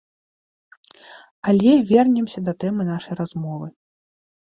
Але вернемся да тэмы нашай размовы.